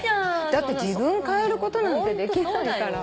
だって自分変えることなんてできないから。